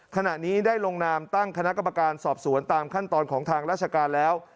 ขณะนี้ได้ลงนามตั้งคณะกรรมการสอบสวนตามขั้นตอนของทางราชการแล้ว